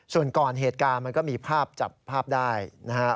ส่วนก่อนเหตุการณ์มันก็มีภาพจับภาพได้นะครับ